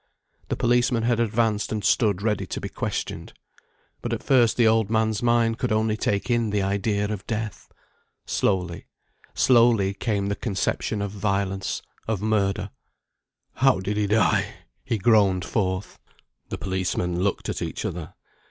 The policemen had advanced and stood ready to be questioned. But at first the old man's mind could only take in the idea of death; slowly, slowly came the conception of violence, of murder. "How did he die?" he groaned forth. The policemen looked at each other.